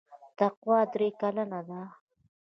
تقوا درې کلنه ده.